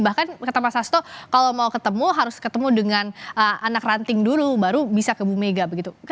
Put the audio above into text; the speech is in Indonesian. bahkan kata pak sasto kalau mau ketemu harus ketemu dengan anak ranting dulu baru bisa ke bumega begitu